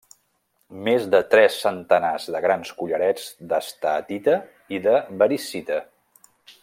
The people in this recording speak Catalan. Més de tres centenars de grans collarets d'esteatita i de variscita.